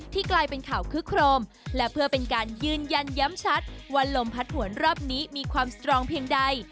กลายเป็นข่าวคึกโครมและเพื่อเป็นการยืนยันย้ำชัดว่าลมพัดหวนรอบนี้มีความสตรองเพียงใด